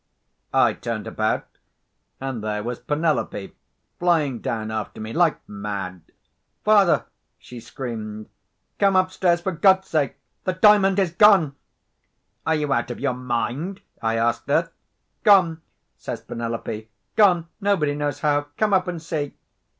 I turned about, and there was Penelope flying down after me like mad. "Father!" she screamed, "come upstairs, for God's sake! The Diamond is gone!" "Are you out of your mind?" I asked her. "Gone!" says Penelope. "Gone, nobody knows how! Come up and see."